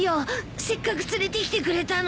せっかく連れてきてくれたのに。